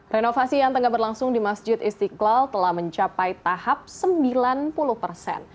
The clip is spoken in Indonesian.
renovasi yang tengah berlangsung di masjid istiqlal telah mencapai tahap sembilan puluh persen